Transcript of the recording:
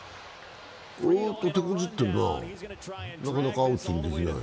おっとてこずってるななかなかアウトにできない。